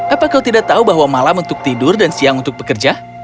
apa kau tidak tahu bahwa malam untuk tidur dan siang untuk bekerja